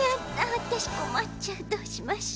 わたしこまっちゃうどうしましょ。